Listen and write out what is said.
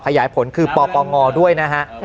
ขยายผลคือปปงด้วยนะฮะ